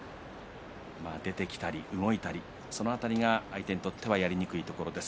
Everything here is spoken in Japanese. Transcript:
出てきたり、動いたりその辺りが相手にとってはやりにくいところです。